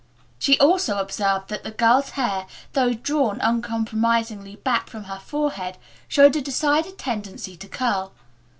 She also observed that the girl's hair, though drawn uncompromisingly back from her forehead, showed a decided tendency to curl.